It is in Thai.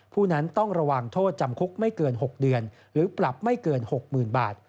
ผู้นั้นต้องระวังโทษจำคุกไม่เกิน๖เดือนหรือปรับไม่เกิน๖๐๐๐บาท